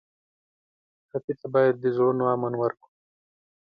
ټپي ته باید د زړونو امن ورکړو.